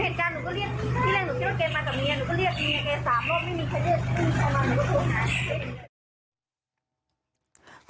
ไม่มีเครื่องเลือดขึ้นเอามาเหลือปุ๊บ